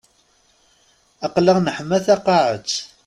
Aql-aɣ neḥma taqaƐet.